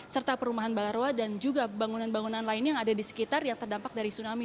serta perumahan balaroa dan juga bangunan bangunan lainnya yang ada di sekitar yang terdampak dari tsunami